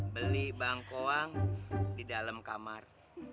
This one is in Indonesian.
beli bangkoang di dalam kamar